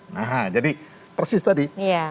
nah jadi persis tadi